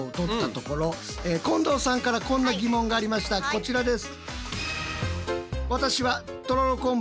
こちらです。